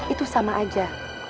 itu sama aja